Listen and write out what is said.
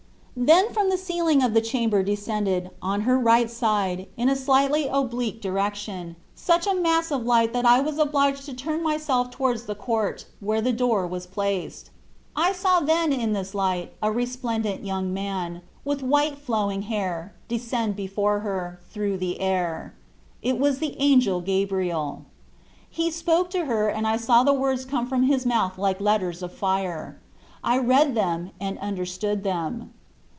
Then from the ceiling of the chamber descended, on her right side, in a slightly 22 ftbe 1ftat(\nt of oblique direction, such a mass of light that I was obliged to turn myself towards the court, where the door was placed. I saw then in this light a resplendent young man, with white flowing hair, descend before her, through the air. It was the Angel Gabriel. He spoke to her, and I saw the words come from his mouth like letters of fire. I read them and understood them.